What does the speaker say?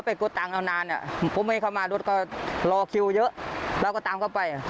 ผมกลัวตังไม่ได้ไปในตู้มันเข้าไป